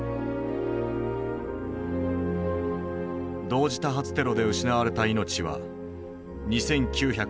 同時多発テロで失われた命は２，９７７。